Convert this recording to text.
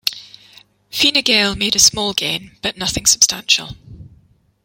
Fine Gael made a small gain, but nothing substantial.